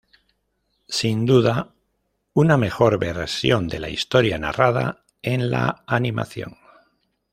Sin duda una mejor version de la historia narrada en la animación.